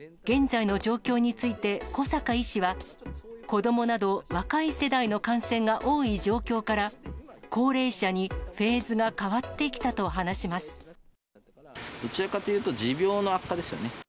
現在の状況について、小坂医師は、子どもなど若い世代の感染が多い状況から、高齢者にフェーズが変どちらかというと、持病の悪化ですよね。